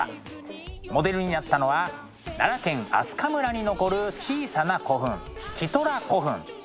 モデルになったのは奈良県明日香村に残る小さな古墳キトラ古墳。